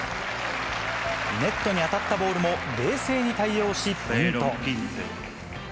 ネットに当たったボールも冷静に対応し、ポイント。